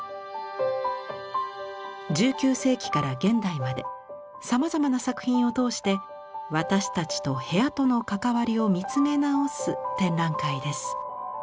１９世紀から現代までさまざまな作品を通して私たちと部屋との関わりを見つめ直す展覧会です。